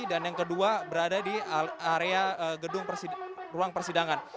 dan yang kedua berada di area gedung ruang persidangan